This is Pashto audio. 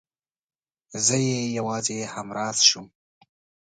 زه يې يوازې همراز شوم.